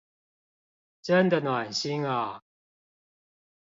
真的暖心啊